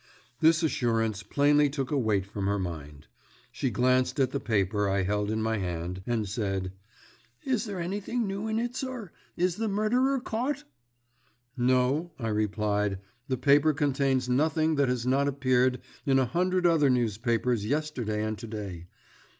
This assurance plainly took a weight from her mind. She glanced at the paper I held in my hand, and said: "Is there anything new in it, sir? Is the murderer caught?" "No," I replied; "the paper contains nothing that has not appeared in a hundred other newspapers yesterday and to day.